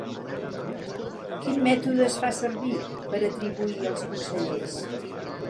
Quin mètode es fa servir per atribuir els consellers?